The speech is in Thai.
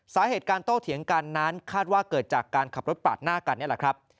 สาเหตุการโต้เถียงกันนั้นคาดว่าเกิดจากการขับรถปาดหน้ากันนี่แหละครับ